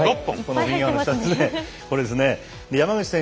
右側の下ですね。